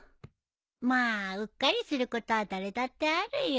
まあうっかりすることは誰だってあるよ。